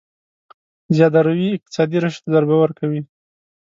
زياده روي اقتصادي رشد ضربه ورکوي.